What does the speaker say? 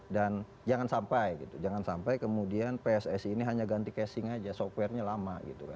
dan jangan sampai gitu jangan sampai kemudian pssi ini hanya ganti casing aja softwarenya lama gitu kan